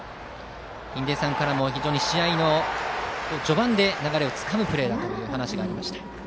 印出さんからも非常に試合の序盤で流れをつかむプレーだと話がありました。